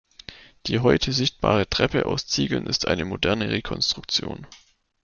Die heute sichtbare Treppe aus Ziegeln ist moderne Rekonstruktion.